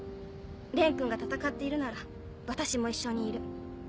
蓮君が戦っているなら私も一緒にいる。